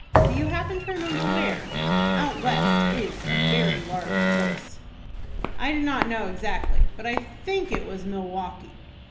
"Do you happen to remember where? Out West is a very large place." "I do not know exactly, but I think it was Milwaukie."